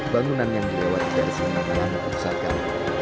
bangunan yang dilewati dari semenang menang yang usahakan